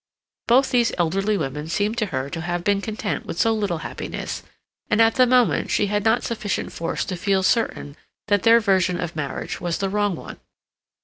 Both these elderly women seemed to her to have been content with so little happiness, and at the moment she had not sufficient force to feel certain that their version of marriage was the wrong one.